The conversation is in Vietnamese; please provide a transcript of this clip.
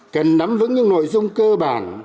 cần nắm vững những nội dung cơ bản